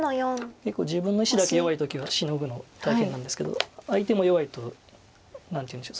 結構自分の石だけ弱い時はシノぐの大変なんですけど相手も弱いと何ていうんでしょう